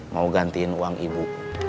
mau gantiin uang ibu